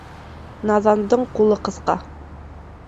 Наҙандың ҡулы ҡыҫҡа.